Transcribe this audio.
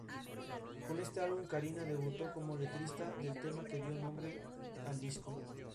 Ophir recibe su nombre del cercano cañón y distrito minero.